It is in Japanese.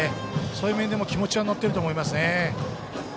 そういう意味でも気持ちが乗っていると思いますね。